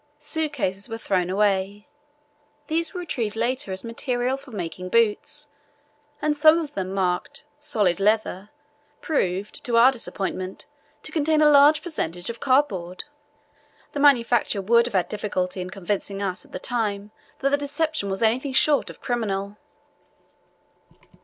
Suitcases were thrown away; these were retrieved later as material for making boots, and some of them, marked "solid leather," proved, to our disappointment, to contain a large percentage of cardboard. The manufacturer would have had difficulty in convincing us at the time that the deception was anything short of criminal.